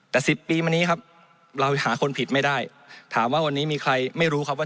แต่สิบปีมานี้ครับเราหาคนผิดไม่ได้ถามว่าวันนี้มีใครไม่รู้ครับว่า